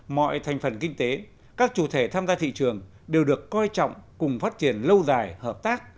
mọi thành phần kinh tế các chủ thể tham gia thị trường đều được coi trọng cùng phát triển lâu dài hợp tác